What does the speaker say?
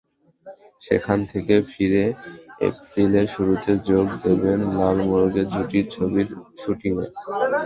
সেখান থেকে ফিরে এপ্রিলের শুরুতে যোগ দেবেন লাল মোরগের ঝুঁটি ছবির শুটিংয়ে।